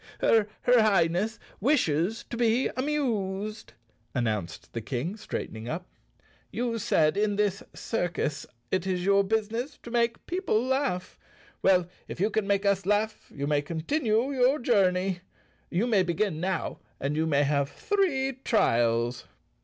"Her Highness wishes to be amused," announced the King, straightening up. "You said in this circus it ^as your business to make people laugh. Well, if you 87 The Cowardly Lion of Qz can make us laugh you may continue your journey. You may begin now and you may have three trials."